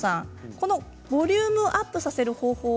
このボリュームアップさせる方法